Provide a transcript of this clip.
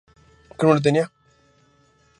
Recorre toda la vida de Marino.